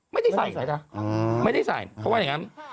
ไม่ได้ใส่ไม่ได้ใส่เพราะว่าอย่างนั้น